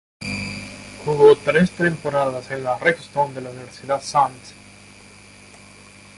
Jugó tres temporadas en los "Red Storm" de la Universidad St.